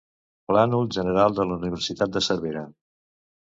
Plànol General de la Universitat de Cervera.